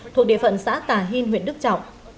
thuộc địa phận xã tà hìn huyện đức trọng